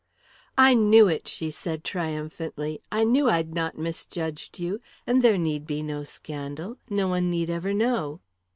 "I knew it," she said triumphantly. "I knew I'd not misjudged you. And there need be no scandal. No one need ever know!"